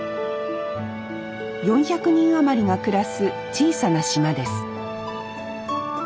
４００人余りが暮らす小さな島です